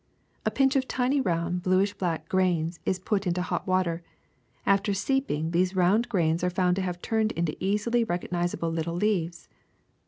A pinch of tiny round bluish black grains is put into hot water ; after steeping these round grains are found to have turned into easily recogniz able little leaves.''